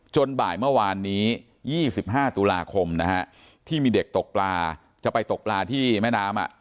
บ่ายเมื่อวานนี้๒๕ตุลาคมนะฮะที่มีเด็กตกปลาจะไปตกปลาที่แม่น้ำ